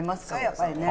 やっぱりね。